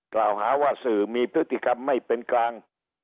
กล่าวหาว่าสื่อมีพฤติกรรมไม่เป็นกลาง